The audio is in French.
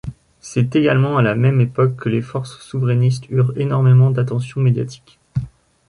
C’est également à la même époque que les forces souverainistes eurent énormément d’attention médiatique.